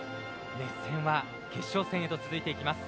熱戦は、決勝戦へと続いていきます。